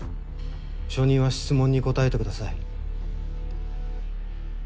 証人は質問に答えてください。